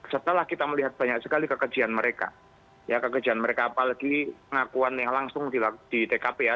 setelah kita melihat banyak sekali kekejian mereka ya kekejian mereka apalagi pengakuan yang langsung di tkp ya